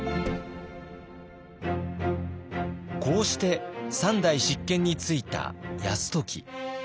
こうして３代執権に就いた泰時。